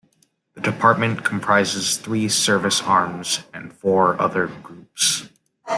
The Department comprises three service arms and four other groups.